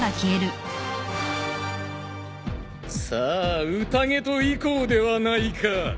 さあ宴といこうではないか。